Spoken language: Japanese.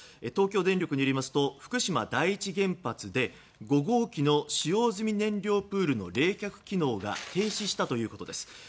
東京電力によりますと福島第一原発で５号機の使用済み燃料プールの冷却機能が停止したということです。